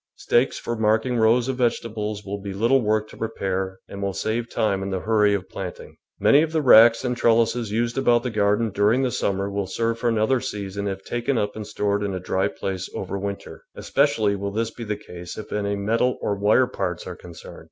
Stakes for marking rows of vege tables will be little work to prepare and will save time in the hurry of planting. Many of the racks and trellises used about the garden during the summer will serve for another season if taken up and stored in a dry place over winter; especially will this be the case if any metal or wire parts are concerned.